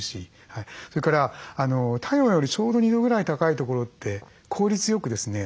それから体温よりちょうど２度ぐらい高いところって効率よくですね